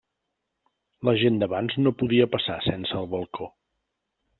La gent d'abans no podia passar sense el balcó.